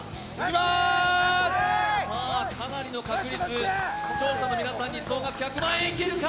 かなりの確率、視聴者の皆さんに総額１００万円いけるか。